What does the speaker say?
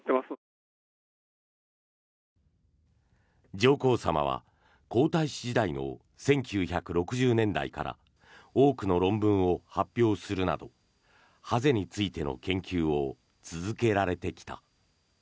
上皇さまは皇太子時代の１９６０年代から多くの論文を発表するなどハゼについての研究を続けられてきた。